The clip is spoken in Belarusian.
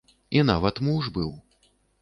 І нават муж быў.